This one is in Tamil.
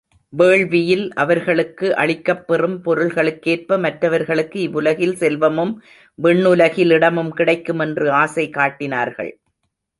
வேள்வியில் அவர்களுக்கு அளிக்கப் பெறும் பொருள்களுக்கேற்ப மற்றவர்களுக்கு இவ்வுலகில் செல்வமும் விண்ணுலகில் இடமும் கிடைக்குமென்று ஆசை காட்டினார்கள்.